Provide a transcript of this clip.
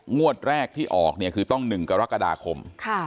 งวดแรกที่ออกเนี่ยคือต้อง๑กรกฎาคม